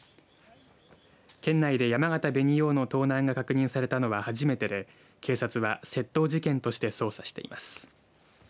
県内でやまがた紅王の盗難が確認されたのは初めてで警察は窃盗事件として捜査しています。